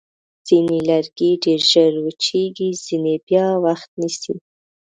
ځینې لرګي ډېر ژر وچېږي، ځینې بیا وخت نیسي.